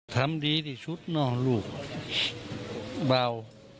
ทำดีที่ชุดนอกลูกเบา